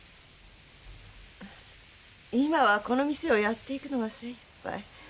今はこの店をやっていくのが精いっぱい。